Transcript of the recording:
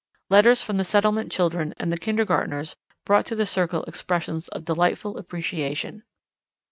Letters from the Settlement children and the kindergartners brought to the Circle expressions of delightful appreciation."